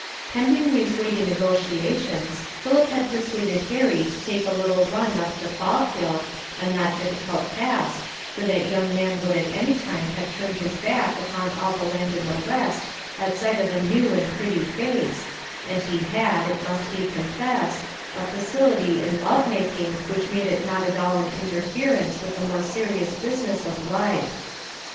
Pending these weighty negotiations, Philip has persuaded Harry to take a little run up to Fallkill, a not difficult task, for that young man would at any time have turned his back upon all the land in the West at sight of a new and pretty face, and he had, it must be confessed, a facility in love making which made it not at all an interference with the more serious business of life.